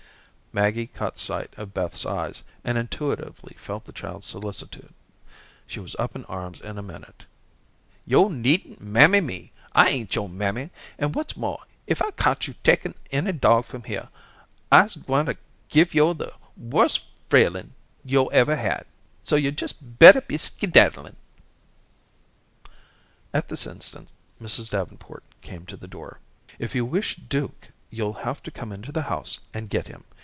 Maggie caught sight of Beth's eyes, and intuitively felt the child's solicitude. She was up in arms in a minute. "Yo' needn't mammy me; I ain't yo'r mammy; and what's more if I cotch yo' takin' any dog from here, I'se gwineter give yo' the worst frailin' yo' ever had. So yo' jes' bettah be skeedadlin'." At this instant, Mrs. Davenport came to the door. "If you wish Duke, you'll have to come into the house and get him.